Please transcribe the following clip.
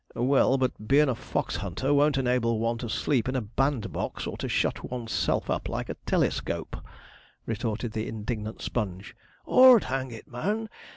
'Well, but bein' a fox hunter won't enable one to sleep in a band box, or to shut one's self up like a telescope,' retorted the indignant Sponge. ''Ord hang it, man!